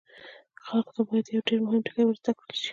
خلکو ته باید یو ډیر مهم ټکی ور زده کړل شي.